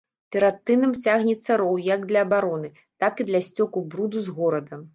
Перад тынам цягнецца роў як для абароны, так і для сцёку бруду з горада.